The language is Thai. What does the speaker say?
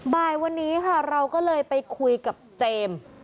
บ่ายวันนี้ค่ะเราก็เลยไปคุยกับเจมส์